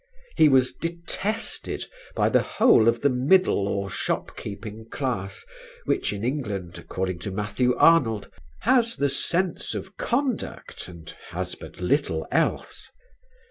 He was detested by the whole of the middle or shop keeping class which in England, according to Matthew Arnold, has "the sense of conduct and has but little else."